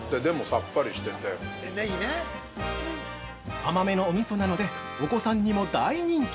◆甘めのおみそなのでお子さんにも大人気！